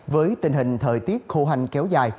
với tình hình thời tiết khô hành kéo dài